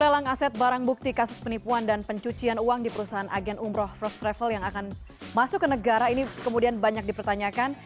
lelang aset barang bukti kasus penipuan dan pencucian uang di perusahaan agen umroh first travel yang akan masuk ke negara ini kemudian banyak dipertanyakan